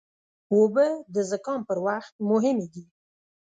اوبه د زکام پر وخت مهمې دي.